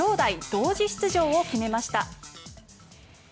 同時出場を決めました。